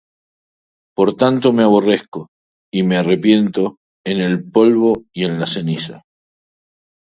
Por tanto me aborrezco, y me arrepiento En el polvo y en la ceniza.